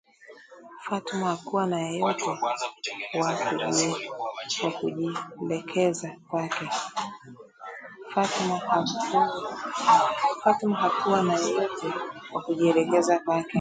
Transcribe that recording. Fatuma hakuwa na yeyote wa kujilekeza kwake